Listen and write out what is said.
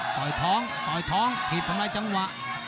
ต่อยท้องต่อยท้องถีบทำลายจังหวะ